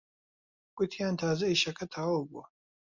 گوتیان تازە ئیشەکە تەواو بووە